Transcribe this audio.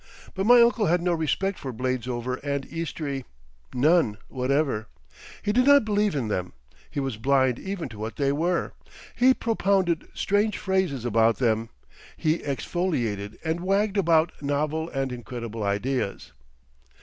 But my uncle had no respect for Bladesover and Eastry—none whatever. He did not believe in them. He was blind even to what they were. He propounded strange phrases about them, he exfoliated and wagged about novel and incredible ideas.